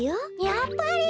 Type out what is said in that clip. やっぱり！